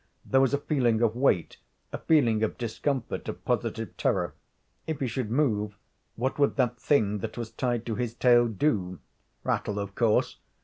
There was a feeling of weight, a feeling of discomfort, of positive terror. If he should move, what would that thing that was tied to his tail do? Rattle, of course.